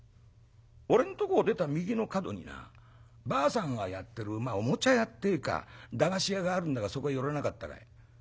「俺んとこを出た右の角になばあさんがやってるおもちゃ屋ってえか駄菓子屋があるんだがそこへ寄らなかったかい？」。